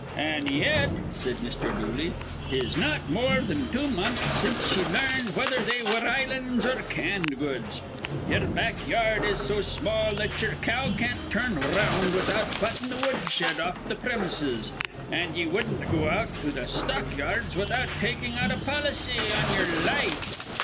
"An' yet," said Mr. Dooley, "tis not more thin two months since ye larned whether they were islands or canned goods. Ye'er back yard is so small that ye'er cow can't turn r round without buttin' th' woodshed off th' premises, an' ye wudden't go out to th' stock yards without takin' out a policy on yer life.